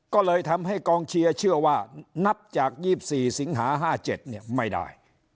ก็เลยทำให้กองเชียร์เชื่อว่านับจาก๒๔สิงหา๕๗ไม่ได้